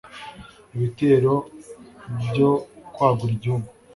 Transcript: Ibitero byo kwagura Igihugu